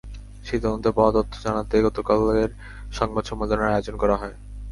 সেই তদন্তে পাওয়া তথ্য জানাতে গতকালের সংবাদ সম্মেলনের আয়োজন করা হয়।